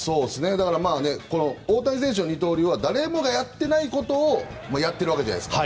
だから大谷選手の二刀流は誰もがやってないことをやってるわけじゃないですか。